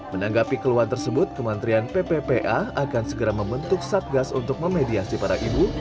menanggapi keluhan tersebut kementerian pppa akan segera membentuk satgas untuk memediasi para ibu